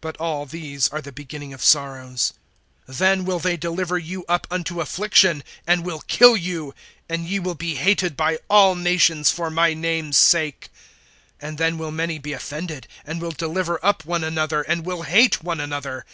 (8)But all these are the beginning of sorrows. (9)Then will they deliver you up unto affliction, and will kill you; and ye will be hated by all nations for my name's sake. (10)And then will many be offended, and will deliver up one another, and will hate one another.